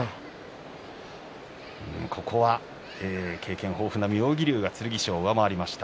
ここは経験豊富な妙義龍が剣翔を上回りました。